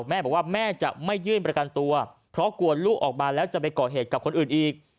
แม่บอกว่าแม่จะไม่ยื่นประกันตัวเพราะกลัวลูกออกมาแล้วจะไปก่อเหตุกับคนอื่นอีก